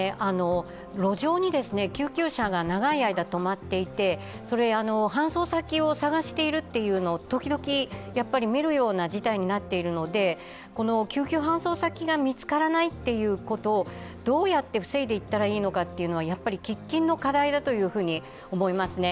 路上に救急車が長い間とまっていて搬送先を探しているというのをときどき見るような事態になっているので救急搬送先が見つからないということをどうやって防いでいったらいいのかは喫緊の課題だと思います。